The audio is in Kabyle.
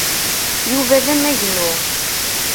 Yuba d amagnu.